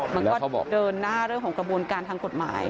มันก็เดินหน้าเรื่องของกระบวนการทางกฎหมาย